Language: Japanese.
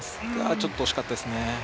ちょっと惜しかったですね。